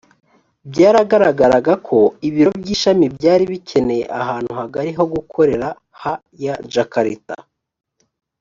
byaragaragaraga ko ibiro by ishami byari bikeneye ahantu hagari ho gukorera ha ya jakarta